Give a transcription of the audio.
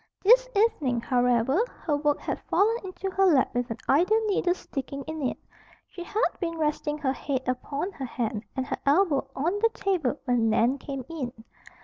This evening, however, her work had fallen into her lap with an idle needle sticking in it. She had been resting her head upon her hand and her elbow on the table when Nan came in.